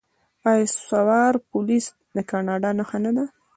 آیا سوار پولیس د کاناډا نښه نه ده؟